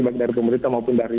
baik dari pemerintah maupun dari